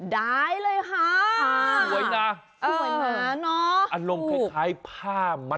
ได้เลยฮะ